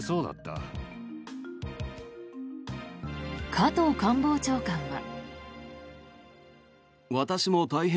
加藤官房長官は。